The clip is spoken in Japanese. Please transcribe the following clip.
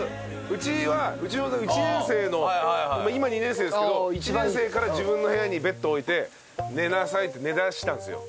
うちは１年生の今２年生ですけど１年生から自分の部屋にベッド置いて「寝なさい」って寝だしたんですよ。